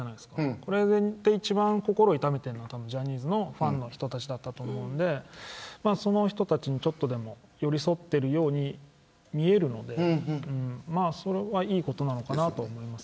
これで一番心を痛めてるのはたぶんジャニーズのファンの人たちだったと思うのでそういう人たちに少しでも寄り添ってるように見えるのでそれはいいことなのかなと思います。